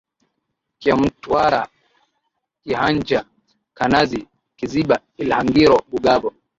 Kyamutwara Kihanja Kanazi Kiziba Ihangiro Bugabo